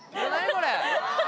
これ。